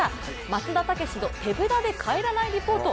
松田丈志の手ぶらで帰らないリポート。